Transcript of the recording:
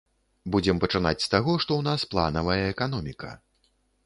Будзем пачынаць з таго, што ў нас планавая эканоміка.